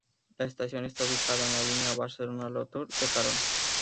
La estación está ubicada en la línea Barcelona-Latour-de-Carol.